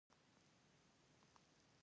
د لوږې له لاسه زور نه کېده، داسې مې احساسول.